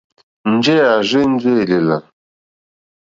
Njɛ̂ à rzênjé èlèlà.